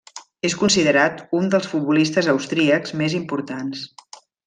És considerat un dels futbolistes austríacs més importants.